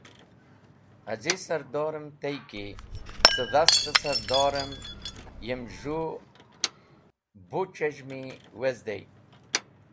Az̃i sardardem tey ki cẽ dast-e sardarden yem z̃hũ bu c̃hez̃hmi wazdey.